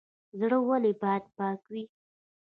زړه ولې باید پاک وي؟